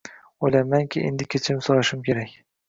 “O‘ylaymanki, endi kechirim so‘rashim kerak”.